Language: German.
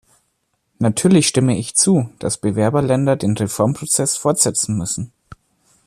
Natürlich stimme ich zu, dass Bewerberländer den Reformprozess fortsetzen müssen.